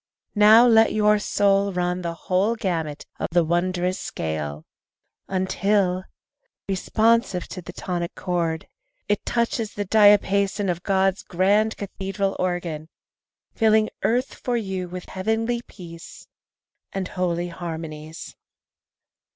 Now let your soul run the whole gamut of the wondrous scale Until, responsive to the tonic chord, It touches the diapason of God's grand cathedral organ, Filling earth for you with heavenly peace And holy harmonies.